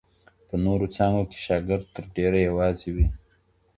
په نورو څانګو کي شاګرد تر ډېره یوازي وي.